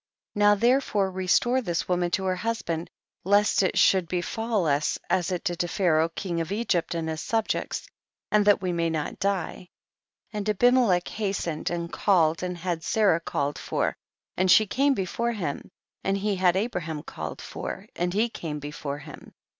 23. Now llierefore, restore this woman to her husband, lest it should befall us as it did to Pharaoh king of Egypt and his subjects, and that we may not die ; and Abiinclech has tened and called and had Sarah called for, and she came bclbrc him, and he had Abraham called for, and he came before him.